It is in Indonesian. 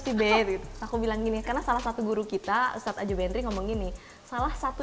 siberit aku bilang gini karena salah satu guru kita saat aja benri ngomong gini salah satu